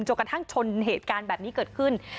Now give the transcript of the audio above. กระทั่งชนเหตุการณ์แบบนี้เกิดขึ้น